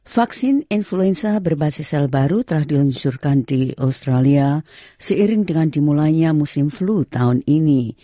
vaksin influenza berbasis sel baru telah diluncurkan di australia seiring dengan dimulanya musim flu tahun ini